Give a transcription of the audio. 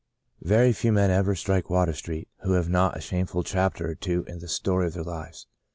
Very few men ever strike Water Street, who have not a shame ful chapter or two in the story of their lives.